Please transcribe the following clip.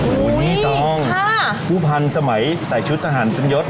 โอ๊ยนี่ต้องผู้พันสมัยใส่ชุดอาหารจำยศ